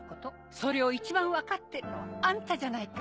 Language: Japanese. それを一番分かってるのはあんたじゃないか！